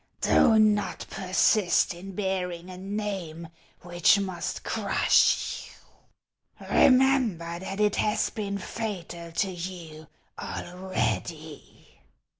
Do not persist in bearing a name which must crush you ; remember that it has been fatal to you already."